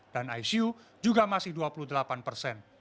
dan icu juga masih dua puluh delapan persen